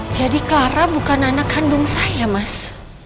jadi clara bukan anak kandung saya mas